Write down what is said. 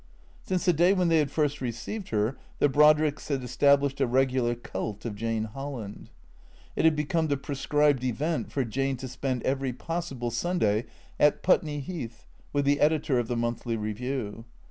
Since the day when they had first received her, the Brodricks had established a regular cult of Jane Holland. It had become the prescribed event for Jane to spend every possible Sunday at Putney Heath with the editor of the " Monthly Review."